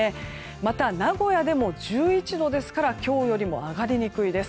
また、名古屋でも１１度ですから今日よりも上がりにくいです。